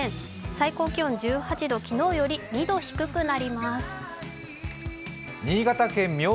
最高気温１８度、昨日より２度低くなります。